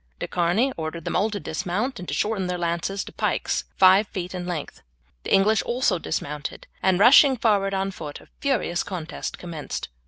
De Charny ordered them all to dismount and to shorten their lances to pikes five feet in length. The English also dismounted and rushing forward on foot a furious contest commenced.